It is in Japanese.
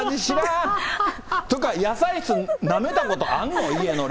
ていうか、野菜室なめたことあんの？